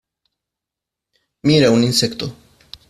Mira un insecto